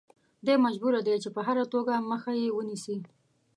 دی مجبور دی چې په هره توګه مخه یې ونیسي.